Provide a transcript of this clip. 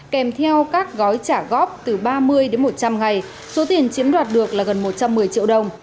kèm theo các gói trả góp từ ba mươi đến một trăm linh ngày số tiền chiếm đoạt được là gần một trăm một mươi triệu đồng